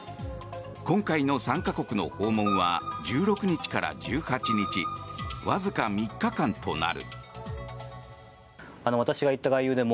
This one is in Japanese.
今回の３か国の訪問は１６日から１８日わずか３日間となる。